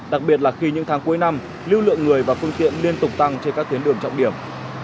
đặc biệt là khi những tháng cuối năm lưu lượng người và phương tiện liên tục tăng trên các tuyến đường trọng điểm